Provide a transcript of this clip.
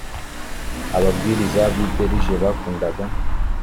ababwiriza b i bergen bakundaga